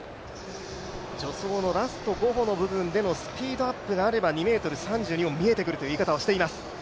助走のラスト５歩の部分でのスピードアップがあれば２ｍ３２も見えてくるという言い方はしています。